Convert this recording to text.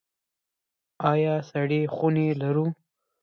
آیا سړې خونې لرو؟